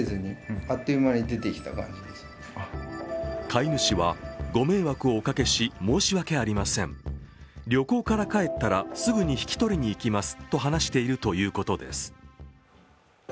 飼い主は、ご迷惑をおかけし、申し訳ありません、旅行から帰ったらすぐに引き取りに行きますと話しているということです。